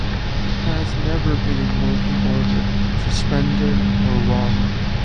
It has never been in working order, suspended, or rung.